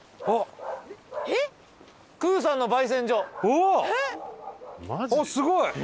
あっすごい！